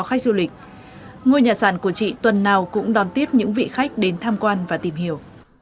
khách du lịch ngôi nhà sàn của chị tuần nào cũng đón tiếp những vị khách đến tham quan và tìm hiểu